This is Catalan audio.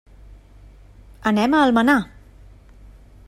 Anem a Almenar.